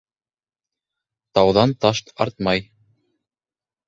Тауҙан таш артмай.